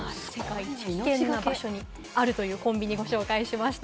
命懸けの場所にあるというコンビニをご紹介しました。